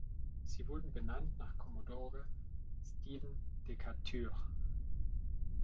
Sie wurde benannt nach Kommodore Stephen Decatur.